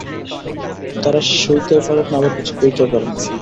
তাঁরা সইতেও পারেন না আবার কিছু কইতেও পারেন না।